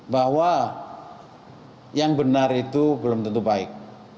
bahwa yang benar itu belum tentu baik